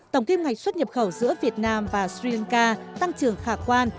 tổng kim ngạch xuất nhập khẩu giữa việt nam và sri lanka tăng trưởng khả quan